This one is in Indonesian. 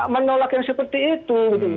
menolak yang seperti itu